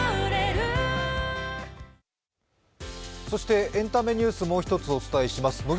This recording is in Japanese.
そしてエンタメニュース、もう一つお伝えします。